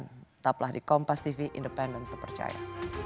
tetaplah di kompas tv independen terpercaya